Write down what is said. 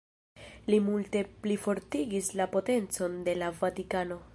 Li multe plifortigis la potencon de la Vatikano.